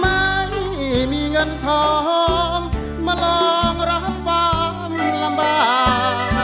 ไม่มีไหมมีเงินทองมาลองรับฝันลำบาก